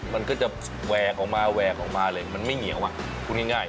มันก็จะแวกออกมาเลยมันไม่เหนียวคุณง่าย